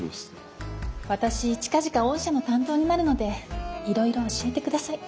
私近々御社の担当になるのでいろいろ教えてください。